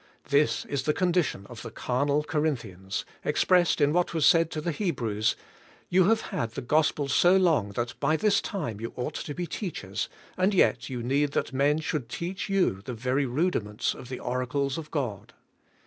This is the condition of the carnal Corinthians, expressed in what was said to the Hebrews: "You have had the Gospel so long that by this time you ought to be teachers, and yet you need that men should teach you the very rudiments of the oracles of God."